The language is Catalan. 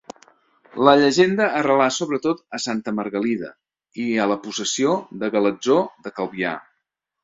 La llegenda arrelà sobretot a Santa Margalida i a la possessió de Galatzó de Calvià.